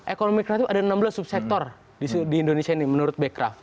ekonomi kreatif ada enam belas subsektor di indonesia ini menurut bekraf